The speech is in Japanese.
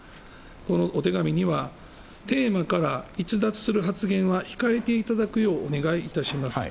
このお手紙にはテーマから逸脱する発言は控えていただくようお願い致します。